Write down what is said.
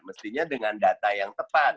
mestinya dengan data yang tepat